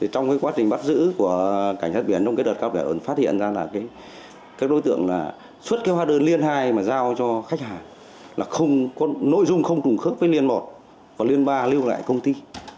trong quá trình bắt giữ của cảnh hát biển trong đợt cao biển phát hiện ra các đối tượng xuất hoa đơn liên hai mà giao cho khách hàng nội dung không trùng khớp với liên một và liên ba lưu lại công ty